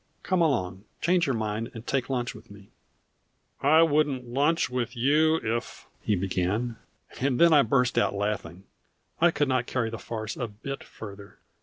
Come along change your mind and take lunch with me." "I wouldn't lunch with you if " he began. And then I burst out laughing. I could not carry the farce a bit further.